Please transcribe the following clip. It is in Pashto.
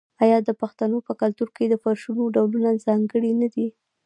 آیا د پښتنو په کلتور کې د فرشونو ډولونه ځانګړي نه دي؟